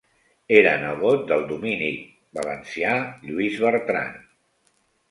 Era nebot del dominic valencià Lluís Bertran.